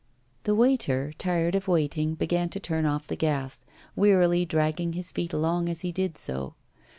The waiter, tired of waiting, began to turn off the gas, wearily dragging his feet along as he did so.